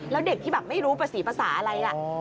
แล้วเด็กที่แบบไม่รู้ประสีภาษาอะไร